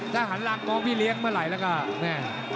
ถ้าหันหลังมองพี่เลี้ยงเมื่อไหร่แล้วก็แม่